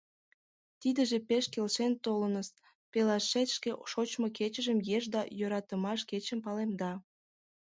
— Тидыже пеш келшен толыныс — пелашет шке шочмо кечыжым Еш да йӧратымаш кечын палемда.